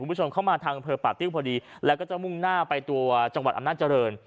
คุณผู้ชมเข้ามาทางอำเภอป่าติ้วพอดีแล้วก็จะมุ่งหน้าไปตัวจังหวัดอำนาจริง